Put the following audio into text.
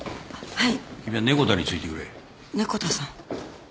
はい！